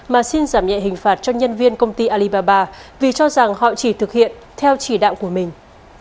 mà xin giảm nhẹ hình phạt cho nhân viên công ty alibaba vì cho rằng họ chỉ thực hiện theo chỉ đạo của mình